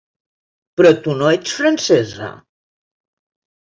Però tu no ets francesa?